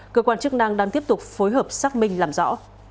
cơ quan chức năng đang tiếp tục phối hợp xác minh làm rõ